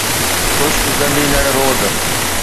خشڪ ڳنڍيندڙ روڊ